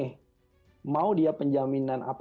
ini mau dia penjaminan apb